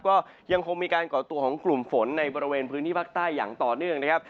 ก็ยังคงมีการก่อตัวของกลุ่มฝนในบริเวณพื้นที่ภาคใต้อย่างต่อเนื่องนะครับ